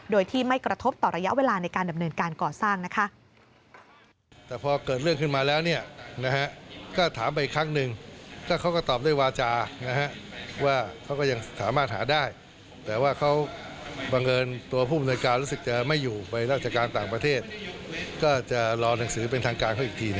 โดยที่ไม่กระทบต่อระยะเวลาในการดำเนินการก่อสร้างนะคะ